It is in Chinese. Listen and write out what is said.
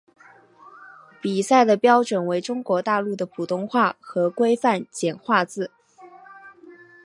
比赛的标准为中国大陆的普通话和规范简化字。